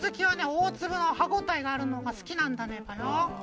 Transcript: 大粒の歯応えがあるのが好きなんだネバよ。